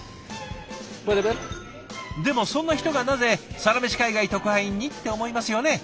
でもそんな人がなぜサラメシ海外特派員に？って思いますよね。